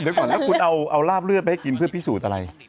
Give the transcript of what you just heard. เดี๋ยวก่อนแล้วคุณเอาราบเลือดไปให้กินเพื่อพิสูจน์อะไร